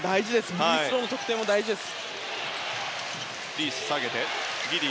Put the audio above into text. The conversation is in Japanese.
フリースローの得点も大事です。